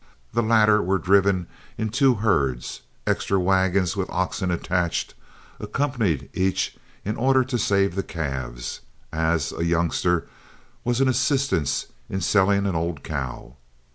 The latter were driven in two herds; extra wagons with oxen attached accompanied each in order to save the calves, as a youngster was an assistance in selling an old cow.